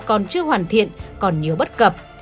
còn chưa hoàn thiện còn nhiều bất cập